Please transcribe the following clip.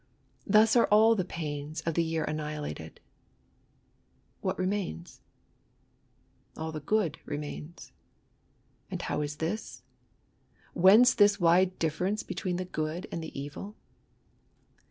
Thus are all the pains of the year annihilated. What remains ? All the good remains. And how is this? whence this wide difference between the good and the evil